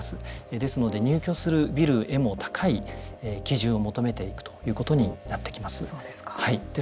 ですので、入居するビルへも高い基準を求めていくということになってきます。